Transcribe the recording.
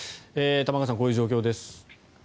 玉川さん、こういう状況です。